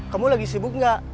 kamu lagi sibuk nggak